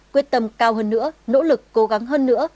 quyết tâm cao hơn nữa nỗ lực cố gắng hơn nữa